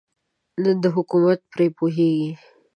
زموږ حکومت پرې پوهېږي.